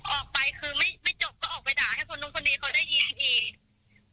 ออกไปคือไม่จบก็ออกไปด่าให้คนนู้นคนนี้เขาได้ยินอีก